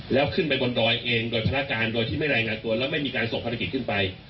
แล้วขึ้นไปบนดอยเองโดยภารการโดยที่ไม่รายงานตัวแล้วไม่มีการส่งภารกิจขึ้นไป